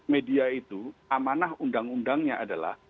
media itu amanah undang undangnya adalah